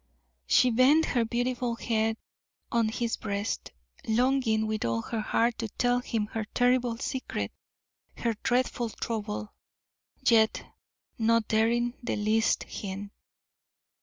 She bent her beautiful head on his breast, longing with all her heart to tell him her terrible secret, her dreadful trouble, yet not daring the least hint.